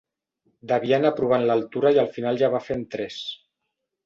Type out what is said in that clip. Devia anar provant l'altura i al final ja va fer amb tres.